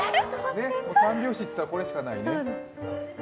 ３拍子といったらこれしかないね。